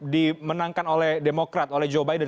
dimenangkan oleh demokrat oleh joe biden